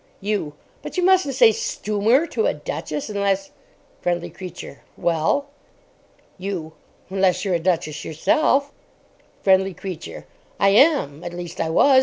YOU. But you mustn't say "Stumer" to a duchess unless—— FRIENDLY CREATURE. Well? YOU. Unless you're a duchess yourself? FRIENDLY CREATURE. I am. At least I was.